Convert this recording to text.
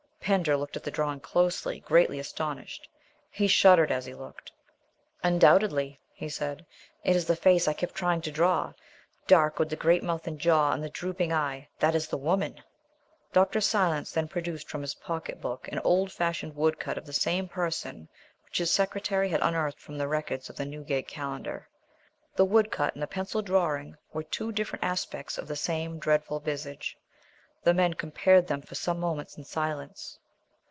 Pender looked at the drawing closely, greatly astonished. He shuddered as he looked. "Undoubtedly," he said, "it is the face I kept trying to draw dark, with the great mouth and jaw, and the drooping eye. That is the woman." Dr. Silence then produced from his pocket book an old fashioned woodcut of the same person which his secretary had unearthed from the records of the Newgate Calendar. The woodcut and the pencil drawing were two different aspects of the same dreadful visage. The men compared them for some moments in silence.